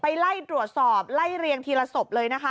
ไล่ตรวจสอบไล่เรียงทีละศพเลยนะคะ